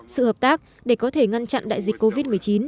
sự hợp tác để có thể ngăn chặn đại dịch covid một mươi chín